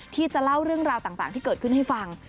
ที่จะเล่าเรื่องราวต่างที่เกิดขึ้นให้ฟัง